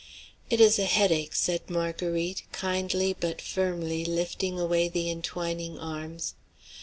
"It is a headache," said Marguerite, kindly but firmly lifting away the intwining arms.